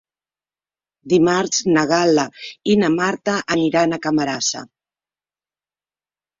Dimarts na Gal·la i na Marta aniran a Camarasa.